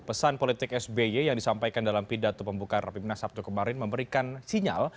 pesan politik sby yang disampaikan dalam pidato pembukaan rapimnas sabtu kemarin memberikan sinyal